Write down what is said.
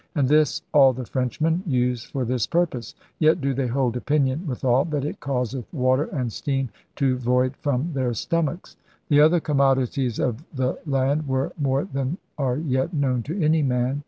And this all the Frenchmen used for this purpose; yet do they hold opinion withal that it causeth water and steam to void from their stomachs.' The other ' commodities of the land' were *more than are yet known to any man.